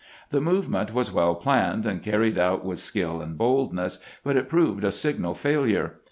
The movement was well planned, and carried out with skill and boldness, but it proved a signal failure.